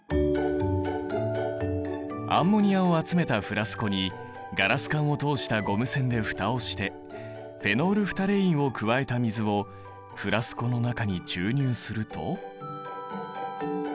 アンモニアを集めたフラスコにガラス管を通したゴム栓で蓋をしてフェノールフタレインを加えた水をフラスコの中に注入すると。